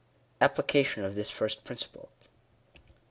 APPLICATION OF THIS FIRST PRINCIPLE.